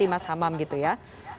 mas hamam gitu ya